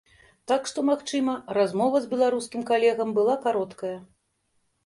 Так што, магчыма, размова з беларускім калегам была кароткая.